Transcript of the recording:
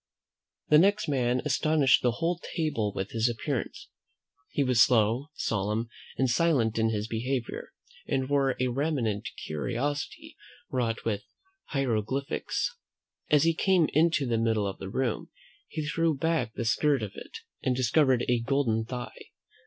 The next man astonished the whole table with his appearance. He was slow, solemn, and silent in his behaviour, and wore a raiment curiously wrought with hieroglyphics. As he came into the middle of the room, he threw back the skirt of it, and discovered a golden thigh.